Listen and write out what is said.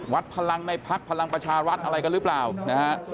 วัดพลังในพักพลังประชารัฐอะไรกันหรือเปล่านะฮะ